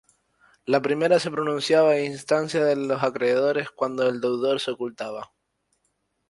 La primera se pronunciaba a instancia de los acreedores cuando el deudor se ocultaba.